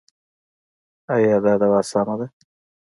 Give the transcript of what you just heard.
ایا دا دوا سمه ده؟